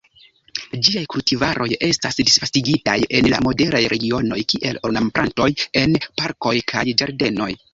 Ĝiaj kultivaroj estas disvastigitaj en la moderaj regionoj kiel ornamplantoj en parkoj kaj ĝardenoj.